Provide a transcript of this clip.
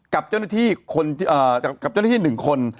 กับเจ้าหน้าที่๑คน